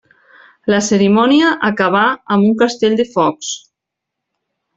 La cerimònia acabà amb un castell de focs.